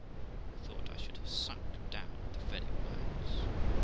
I thought I should have sunk down at the very words.